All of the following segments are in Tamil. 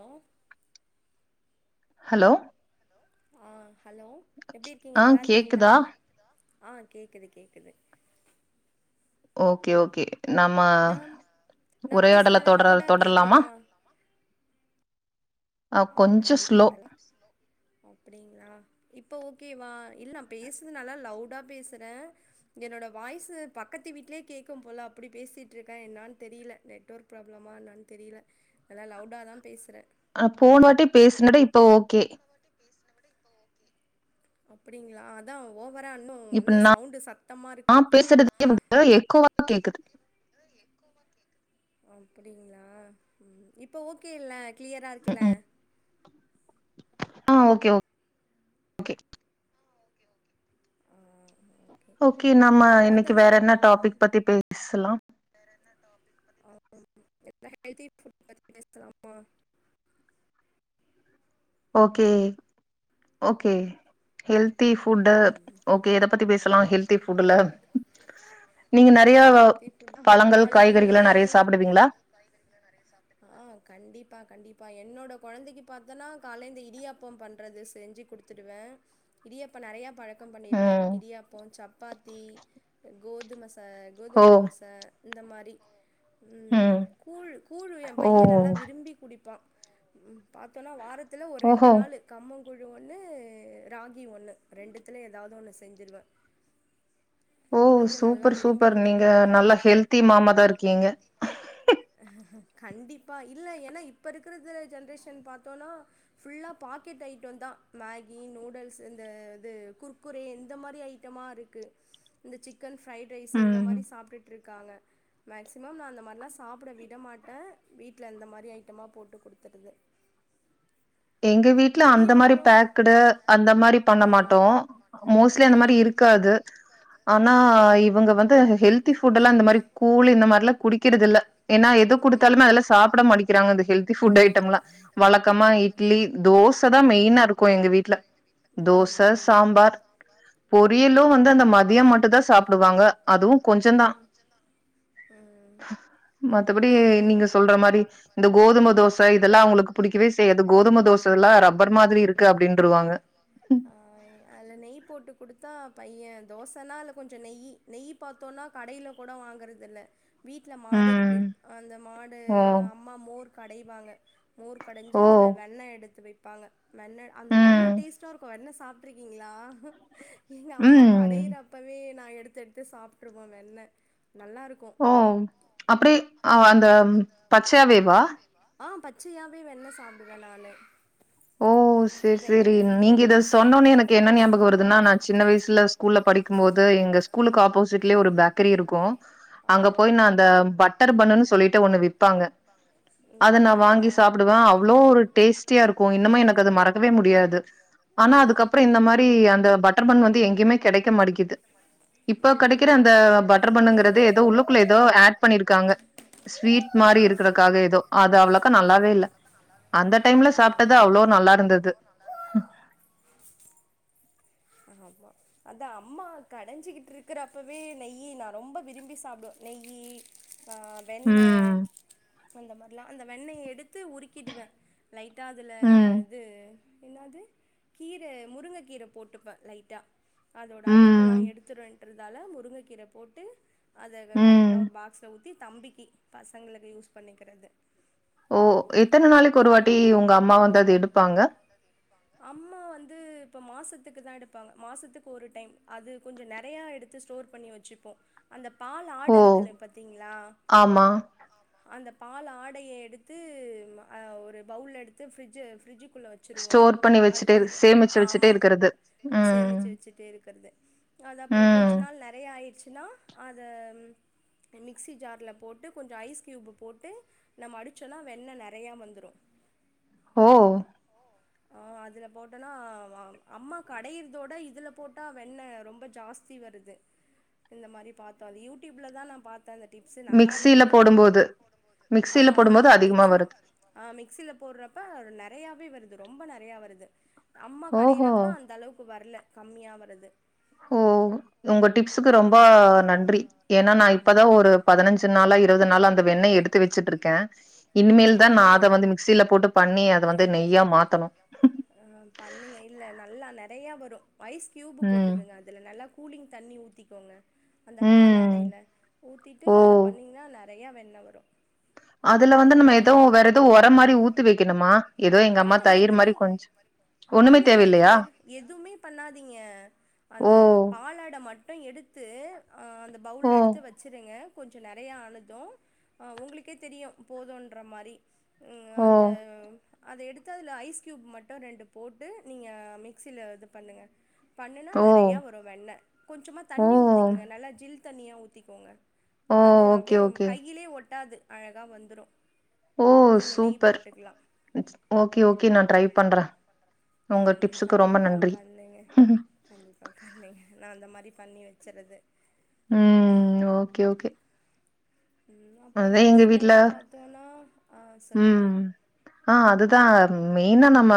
ம் ஹலோ ஆ ஹலோ எப்டி இருக்கீங்க ஆ நல்லா இருக்கீங்களா கேக்குதா ஆ கேக்குது கேக்குது ஓகே ஓகே நாம நாம் நா பேசு உரையாடல நல்லா தொடர் லவுடா தொடரலாமா கேக்குதா அ ஆ கொஞ்சோ கண்டிப்பா ஸ்லோ ரா [inaudible] அப்டிங்களா இப்போ ஓகேவா இல்ல பேசுன நல்லா லவுடா பேசுறே என்னோட வாய்ஸ்சு பக்கத்து வீட்லயே கேக்கும் போல அப்டி பேசிட்டுருக்கே என்னானு தெரில நெட்ஒர்க் ப்ராப்ளமானான்னு தெரில நல்லா லவுடாதா பேசுறே ஆ போன வாட்டி பேசுனது இப்ப ஓகே அப்டிங்களா அதா ஓவரா அன்னு இப்ப நா நா பேசுறது எனக்கு எக்கோவா கேக்குது அப்டிங்களா ம் இப்போ ஓகேல க்ளியரா ம் இருக்குல ம் ஆ ஓகே ஓ ஆ ஓகே நம்ம இப்போ இன்னைக்கு பார்த்தோன்னா வேற என்ன டாபிக் பத்தி பேசலாம் இப்பே ஹெல்தி ஃபுட் பத்தி பேசலா ஓகே ஓகே ஹெல்தி ஃபுட்டு எத பத்தி பேசலா ஹெல்தி ஃபுட்ல நீங்க நெறையா ஹெல்த்தி ஃபுட் பழங்கள் காய்கறிகள்லா நெறைய சாப்டுவீங்ளா காய் கறிகல்லா நெறய ஆ கண்டிப்பா கண்டிப்பா என்னோட கொழந்தைக்கு பாத்தன்னா காலந்த இடியாப்பம் பண்றது செஞ்சு குடுத் திடுவே இடியாப்ப நெறைய பழக் கம் பண்ணிருக்கே ம் இடியாப்பம் சப்பாத்தி கோதும ச ஓ கோதும தோச இந்த மாரி ம் கூழ் கூழ் ஏ ஓ பைய நல்லா விரும்பி குடிப்பா பாத்தோன்னா வாரத்துல ஒரு ரெண்டு ஓஹோ நாளு கம்ம கூழு ஒண்ணு ராகி ஒண்ணு ரெண்டுத்துலயு ஏதாவது ஒன்னு செஞ்சுருவே ஓ சூப்பர் விரும்பி சூப்பர் நீங்க குடிப்பாங்க நல்லா அவுங்க ஹெல்தி மாமாதா இருக்கீங்க கண்டிப்பா இல்ல ஏனா இப்ப இருக்கிறது ஜென்ரேஷன் பாத்தோனா ஃபுல்லா பாக்கெட் ஐட்டம்தா மேகி நூடுல்ஸ் இந்த இது குர்குரே இந்த மாரி ஐட் டமாருக்கு இந்த சிக்கன் ஃப்ரைட் ரைஸ் இந்த ம் மாரி சாப்ட்டுட் இருக்காங்க மேக்ஸிமம் நா அந்த மாரிலா சாப்புட விட மாட்டே வீட்ல இந்த மாரி ஐட்டமா போட்டு குடுத்துருது எங்க வீட்ல அந்த மாரி இடியாப்பம் பேக்டு அந்த மாரி பண்ண மாட்டோ மோஸ்ட்லி அந்த மாரி இருக்காது ஆனா இவங்க வந்து ஹெல்தி ஃபுட்ல்லா இந்த மாரி கூல் இந்த மாரிலா குடிக் கிறது இல்ல ஏன்னா எது குடுத்தாலுமே அதுல சாப்ட மாட்டேங்கிறாங்க அந்த ஹெல்தி ஃபுட் ஐட்டம்லா வழக்கமா இட் லி தோச தா மெய்னா இருக்கு எங்க வீட்ல தோச சாம்பார் பொரியலு வந்து அந்த மதிய மட்டு தா சாப்புடுவாங்க அதுவு கொஞ்சந்தா ம் மத்தபடி நா நீங்க சொல்ற மாரி இந்த கோதும தோச இதெல்லா அவுங்களுக்கு புடிக்கவே செய்யாது கோதும தோச ல்லா ரப்பர் மாதிரி இருக்கு அப்டீன்ருவாங்க அதுல நெய் போட்டு குடுத்தா பைய தோசன்னா அதுல கொஞ்ச நெய்யி நெய் பாத் தோன்னா கடையில கூட வாங்குறதில்ல வீட்ல ம் மாடுருக்கு அந்த மாடு ஓ அம்மா மோர் கடைவாங்க மோர் கடஞ்சு ஓ அதுல வெண்ணெ எடுத்து வெப்பாங்க வெண்ணெ அந்த வெண்ணெ ம் டேஸ்ட்டா ருக்கு வெண்ணெ சாப் டுருக்கீங்களா எங்க அம்மா ம் கடையிற அப்பவே நா எடுத்து எடுத்து சாப் ட்ருவோ வெண்ண நல்லாருக் ஓ அப்டியே அந்த பச்சையாவேவா ஆ பச்சையாவே வெண்ண சாப்டுவெ நானு ஓ சேரி வெண்ண சேரி நீங்க இத சொன்னோனே எனக்கு என்ன ஞாபகொ வருதுன்னா நா சின்ன வயசுல ஸ்கூல்ல படிக்கும் போது எங்க ஸ்கூலுக்கு ஆப்போசிட்லயெ ஒரு பேக்கரி இருக்கு ஆ அங்க போய் நா அந்த பட்டர் பண்ணுன்னு சொல்லிட்டு ஒண்ணு விப்பாங்க ம் அத நா வாங்கி அப்டிங்களா சாப்புடுவ அவ்ளோ ஒரு டேஸ்ட்டியாருக்கு இன்னுமே எனக்கு அது மறக்கவே முடியாது ஆனா அதுக்கப்புற இந்த மாரி அந்த பட்டர் பண் வந்து எங்கேயுமே கெடைக்க மாட்டேக்கிது இப்போ கெடைக்கிற ம் அந்த பட்டர் பண்ணுங்குறது ஏதோ உள்ளுக்குள்ள ஏதோ ஏட் பண்ணிருக்காங்க ஸ்வீட் மாரி இருக்கறக்காக ஏதோ அது அவ்ளவுக்கா நல்லாவே இல்ல அந்த டைம்ல அந்த சாப்டது அவ்ளோ டைம்ல நல்லாருந்தது ஆவ்வா அத்தா அம்மா கடஞ்சிக்கிட்ருக்குறப்பவே நெய்யி நா ரொம்ப விரும்பி சாப்டுவ நெய்யி ஆ வெண்ண ம் அந்த மாரிலா அந்த வெண்ணெ எடுத்து உருக்கிடுவே லைட்டா அதுல ம் இது என்னாது கீர முருங்க கீர போட்டுப்பெ லைட்டா அதோட அழுக்கெல்லா ம் எடுத்துருன்றதால முருங்கக்கீர போட்டு அத ம் கரெட்டா ஒரு பாக்ஸ்ல ஊத் தி தம்பிக்கி பசங்களுக்கு யூஸ் பண்ணிக்கிறது ஓ எத்தன நாளக்கி ஒரு அந்த வாட்டி மாரி உங்க அம்மா வந்து அது எடுப்பாங்க அம்மா வந்து இப்ப மாசத்துக்கு தா எடுப்பாங்க மாசத்துக்கு ஒரு டைம் அது கொஞ்ச நெறைய எடுத் து ஸ்டோர் பண்ணி வச்சுப்போ அந்த பால் ஆட ஓ ருக்கு பாத்தீங்ளா ஆமா அந்த பால் ஆடைய எடுத்து ஆ ஒரு பவுல் எடுத்து ஃப்ரிஜ்ஜு ஃப்ரிஜ்ஜுக்குள்ள வச் சுருவோ ஸ்டோர் பண்ணி அது வச்சுட்டே கொஞ்ச சேமிச்சு வச்சுட்டே ஆமா இருக்கறது ம் சேமிச்சு வச்சுட்டே ருக்குறது அது அப்றொ கொஞ்ச ம் நாள் நெறைய ஆய்ற்ச்சுனா அத மிக்சி ஜார்ல போட்டு கொஞ்ச ஐஸ் க்யூப் போட்டு நம்ம அடிச்சோனா வெண்ணெ நெ நெறையா வந்துரு ஓ அதுல போட்டோனா அம்மா கடையிறதோட இதில போட்டா வெண்ணெ ரொம்ப ஜாஸ் தி வருது இந்த மாரி பாத்தோ அது யூடூயூப்ல தா நா பாத்த அந்த டிப் ஸ் மிக்ஸில நல்லாருந்தது ஆனா போடும்போது ஆ மிக்ஸில ஆமா போடும்போது அதிகமா மிக்ஸ் வருது ஆ மிக்சியில போட்றப்ப நெறையாவே வருது ரொம்ப நெறையா வருது அம்மா ஓஹோ கடையிறப்ப அந்த அளவுக்கு வர்ல கம்மியா வருது ஓ உங்க டிப்சுக்கு ஆ ரொம்ப நன்றி ஏனா நா இப்பதா ஒரு பதினஞ்சு நாளா இருவது நாளா அந்த வெண்ணய எடுத்து வச்சுட்ருக்கே ஆ இனிமேல் தான் நா நீங்க அத வந்து மிக்சில போட்டு பண்ணி அத வந்து நெய்யா மாத்தணு ம் பண்ணுங்க இல்ல நல்லா நறையா வரு ஐஸ் க்யூபு ம் போட்டுக்குங்க அது அதுல நல்லா கூலிங் தண்ணி ஊத்திக்கோங்க அந்த பால் ம் ஆடையில ஊத்திட்டு ஓ அத பண்ணீங்கன்னா நறைய வெண்ண வரு அதுல வந்து அந்த நம்ம எதோ மாரிதா வேற எதோ ஒர மாரி ஊத்தி வைக்கணுமா எதோ எங்கம்மா ஆஹா தயிர் எதுமே மாரி கொஞ் இல்ல இல்ல நீங்க எது எதுமே பண்ணாதீங்க ஓ அந்த பாலாட மட் டு எடுத்து ஆ அந்த ஓ பவுல்ல எடுத்து வச் ச்சிருங்க கொஞ்சோ நறையா ஆனது அ உங்குளுக்கே தெரியு போதுன்ற மாரி அ ஓ அந்த அத எடுத்து அதுல ஐஸ் க்யூப் மட்டு ரெண்டு போட்டு நீங்க மிக்சில இது பண்ணுங்க பண்ணுன்னா ஓ நறையா வரு வெண்ண கொஞ்சமாக ஓ தண்ணி ஊத்திக்குங்க நல்லா ஜில் தண்ணியா ஊத்திக்கோங்க ஓ அது அப்டே ஓகே ஓகே கையிலே ஒட்டாது அழகா வந்துரு ஓ நீங்க நெய் சூப்பர் போட்டுக்கலா ஓகே ஓகே நா ட்ரை பண்றே ஆ உங்க ஆ டிப்சுக்கு ரொம்ப கண்டிப்பா நன்றி பண்ணுங்க கண்டிப்பா பண்ணுங்க நா அந்த மாரி பண்ணி வச்சர்றது ம் ஓகே ஓகே ம் அப்றோ அதா எங்க மதிய வீட்ல டைம் பாத்தோன்னா ஆ சொல்லுங்க ம் ஆ அதுதா மெயினா நம்ம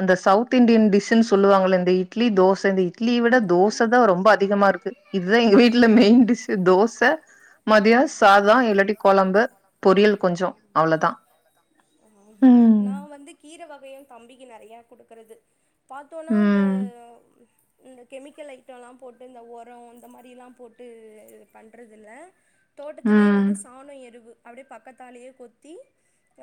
அந்த சவுத் இண்டியன் டிஷ்ன்னு சொல்லுவாங்கள இந்த இட்லி தோச இந்த இட்லிய விட தோச ஆமா தா ரொம்ப அதிகமா இருக்கு இதுதா எங்க ஆமா வீட்ல மெயின் டிஷ்ஷூ தோச மதியாஸ் கொஞ்சோ அவ்ளோதா ம் ஹூம் ம் நா வந்து கீர வகையு தம்பிக்கு நறையா குடுக்குறது பாத்தோனா அந்த ம் இந்த கெமிக்கல் ஐட்டோலா போட்டு இந்த ஒரோ இந்த மாரிலா போட்டு பண்றதில்ல தோட்டத்துலே ம் வந்து சாணோ எருவு அப்டியே பக்கத்தாலேயே கொத்தி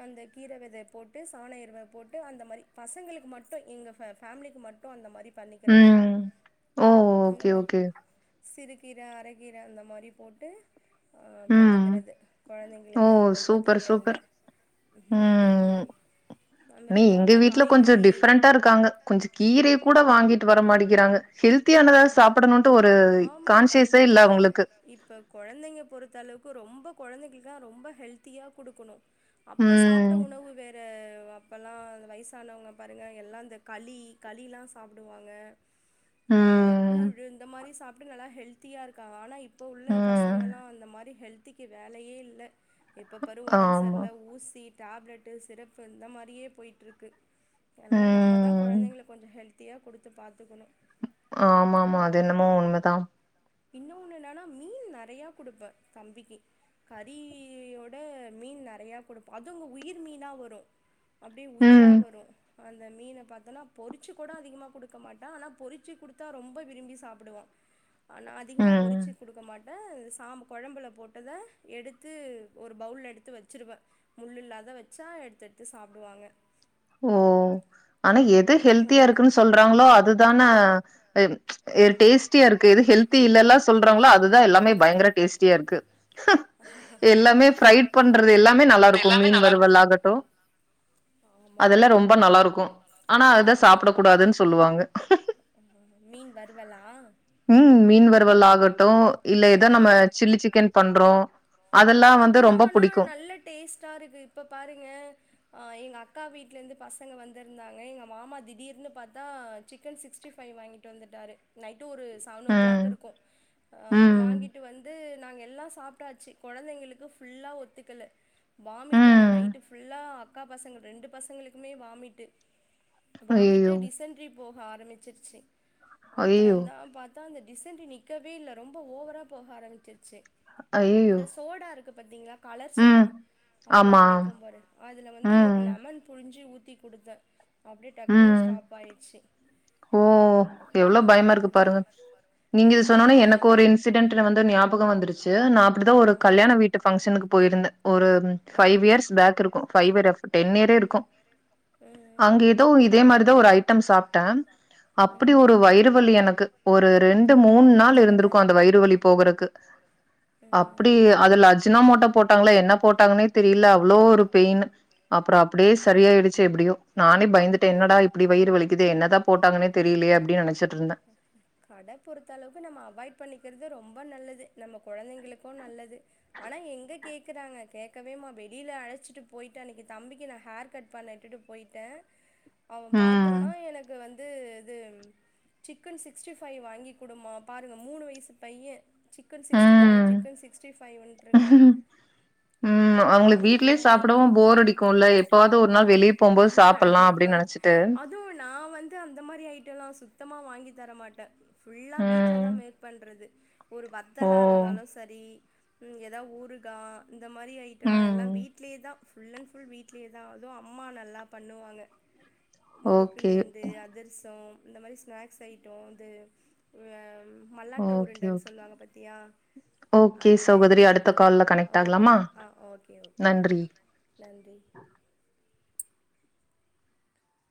அந்த கீர வெத போட்டு சாண எருவ போட்டு அந்த மாரி பசங்களுக்கு மட்டு எங்க ஃப ஃபேமிலிக்கு மட்டு ட்டு அந்த மாரி பண்ணிக்கறது ம் ஓ இந்த ஓகே மாரி ஓகே சிறுகீர அரக்கீர அந்த மாரி போட்டு ஆ ம் பண்ணிக்கறது ஓ கொழந்தைங்களுக்கு மதிய சூப்பர் டைம்ல சூப்பர் [inaudible] ம் நீ எங்க வீட்ல கொஞ்சோ டிஃப்ரெண்ட்டா இருக்காங்க கொஞ்ச கீரைய கூட வாங்கிட்டு வர மாட்டிக்கிறாங்க ஹெல்த்தியானதா சாப்டணுன்ட்டு ஒரு ஆமா கான்ஷியஸே இல்ல கண்டிப்பா அவுங்களுக்கு இப்ப கொழந்தைங்க பொறுத்த அளவுக்கு ரொம்ப கொழந்தைங்கக்கு தா ரொம்ப ஹெல்த்தியா குடுக்குணு அப்ப ம் சாப்ட்ட உணவு வேற அப்பல்லா இந்த வய்சானவங்க பாருங்க எல்லா இந்த களி களிலா சாப்டுவாங்க ஆ ம் கூழு இந்த மாரி சாப்ட்டு நல்லா ஹெல்த்தியா இருக்கா ஆனா இப் இப்போ உள்ள ம் பசங்கலா அந்த மாரி ஹெல்த்திக்கி வேலயே இல்ல எப்ப பாரு ஒடம்பு ஆமா சர்ல ஊசி டேப்லெட்டு சிரப்பு இந்த மாரியே போய்ட்ருக்கு எதனா நம்ம தா ம் கொழந்தைகளுக்கு கொஞ்ச ஹெல்த்தியா குடுத்து பாத்துக்குணு ஆமா ஆமா அது என்னமோ உண்ம தா இன்னொன்னு என்னன்னா மீன் நெறயா குடுப்பே தம்பிக்கி கறி ஒட மீன் நெறையா குடுப்போ அதுங்க உயிர் மீனா வரும் அப்டியே உயிரா ம் வரு அந்த மீன பாத்தோன்னா பொறிச்சு கூட அதிகமா குடுக்க மாட்டா ஆனா பொறிச்சு குடுத்தா ரொம்ப விரும்பி சாப்டுவா ஆனா அதிகமாக ம் பொறிச்சு குடுக்க மாட் [unintelligible] சாம் கொழம்புல போட்டதா எடுத்து ஒரு பவுல எடுத்து வச்சுருவே முள்ளு இல்லாத வச்சா எடுத்து எடுத்து சாப்டுவாங்க ஒ ஆனா எது அந்த மாரி ஹெல்த்தியா இருக்குனு சொல்றாங்களோ அதுதானே டேஸ்டியா இருக்கு எது ஹெல்த் தீ இல்லல்லா சொல்றாங்களோ அதுதா எல்லாமே பயங்கர டேஸ்டியா இருக்கு எல்லாமே ப்ரை குக் பண்றது எல்லாமே நல்லா இருக்கு மீன் வருவல் ஆகட்டு ஆமா ஆமா அதெல்லா ரொம்ப நல்லா இருக்கு ஆனா அதுதா சாப்ட கூடாதுனு சொல்லுவாங்க அ மீன் வருவலா ம் மீன் வரவலா இருகட்டும் இல்ல எதோ நம்ம ஆமா. சில்லி சிக்கன் பண்றோ அதெல்லா ம். வந்து அதெல்லாம் ரொம்ப ஆனா புடிக்கு நல்ல டேஸ்ட்டா இருக்கு இப்ப பாருங்க எங்க அக்கா வீட்ல இருந்து பசங்க வந்திருந்தாங்க எங்க மாமா திடீர்னு பாத்தா சிக்கன் சிக்ஸ்டி பைவ் வாங்கி வந்துட்டாரு நைட்டும் ஒரு செவனோ ம் கிளாக் இருக்கு அ ம் வாங்கிட்டு வந்து நாங்க எல்லா சாப்ட்டாச்சு கொழந்தைங்களுக்கு ஃபுல்லா ஒத்துக்கல வாமிட் ஆன ம் நைட்டு ஃபுல்லா அக்கா பசங்க ரெண்டு பசங்களுக்குமே வாமிட்டு வாமிட்டு அய்யய்யோ டிசென்ட்ரி போக ஆரம்பிச்சிருச்சு அப்பற அய்யய்யோ தா பாத்தா அந்த டிசென்ட்ரி நி நிக்கவே இல்ல ரொம்ப ஓவரா போக ஆரம்பிச்சிருச்சு ஐய்யயோ இந்த சோடா இருக்கு பாத்தீங்களா கலர் சோடா அப்பெல்லா ஆமா குடிப்போ பாரு அதில வந்து ஒரு ம் லெமன் புழிஞ்சி ஊத்தி குடுத்தே அப்டியே டக்குனு ம் ஸ்டாப் ஆய்டுச்சு ஓ எவ்ளோ பயமா இருக்கு பாருங்க நீங்க இது ஆமா சொன்னனெ எனக்கு அதனால ஒரு இன்சிடெட் வந்து ஞாபகம் வந்துருச்சு நா அப்டிதா ஒரு கல்யாண வீட்டு பங்க்ஷனுக்கு போயிருந்தே ஒரு ஃபைவ் போது இயர்ஸ் பேக் இருக்கு பைவ் டென் இயரே இருக்கு ம் அங்க எதோ இதே மாரிதா ஒரு ஐட்டம் சாப்ட்டே அப்டி ஒரு வயிறு வலி எனக்கு ஒரு ரெண்டு ஒரு மூணு நாள் இருந்திருக்கு அந்த வயிறு ரெண்டு வலி போகுறதுக்கு அப்டி அதுல அஜ்னோ மோட்டோ போட்டாங்களா என்ன போட்டாங்கன்னே தெரியல அவ்ளோ ஒரு பெயினு அப்பற அப்டியே சரியாயிடுச்சு எப்டியோ நானே பயந்துட்டு என்னடா இப்டி வயிறு வலிக்தே என்னதா போட்டாங்கன்னெ தெரியலையே அப்டினு நெனச்சிட்டு இருந்தே இருந்தே கட பொறுத்த அளவுக்கு நம்ம அவாய்ட் பண்ணிக்கிறது ரொம்ப நல்லது நம்ம கொழந்தைங்களுக்கு நல்லது ஆனா எங்க கேக்றாங்க கேக்கவே மா வெளியில அழைச்சிட்டு போயிட்டே அன்னக்கி தம்பிக்கு நான் ஹேர் கட் பண்ண இட்டுட்டு போய்ட்டே அவ பாத்தோன ம் எனக்கு வந்து இது சிக்கன் சிக்ஸ்டி பைவ் வாங்கி குடுமா பாருங்க மூணு வயசு பையன் சிக்கன் சிக் சிக்ஸ்டிஃபை ம் சிக்கன் சிக்ஸ்டி ஃபைவன்ருக்கா ம் அவுங்கள வீட்லே மாரி சாப்டவு போர் அடிக்கு இல்ல எப்பாவது ஒரு நாள் வெளியே போகும்போது சாப்லா அப்டினு கண்டிப்பா நெனச் வச்சுட்டு அதுவு நா வந்து அந்த மாரி ஐட்டம் எல்லா சுத்தமா வாங்கி தரமாட்டே ஃபுல்லா வீட்ல ம் தா மேக் பண்றது ஒரு ஓ வத்தலா இருந்தாலு சரி எதா ஊருகா இந்த மாரி ஐட்டல்லா ம் எல்லா வீட்லையேதா ஃபுல் அண்ட் ஃபுல் வீட்லயே தா அதுவு அம்மா நல்லா பண்ணுவாங்க ஓகே முறுக்குலேந்து அதிர்சோ இந்த மாரி ஸ்நாக்ஸ் ஐட்டோ அது அ மல்லாட்ட ஓகே உருண்டன்னு ஓகே சொல்லுவாங்க பத்தியா அது ஓகே தர்லாமா ஆ ஓகே ஓகே நன்றி நன்றி